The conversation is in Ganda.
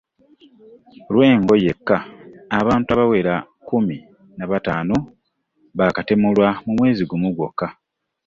Lwengo yekka, abantu abawera kkumi na bataano baakatemulwa mu mwezi gumu gwokka.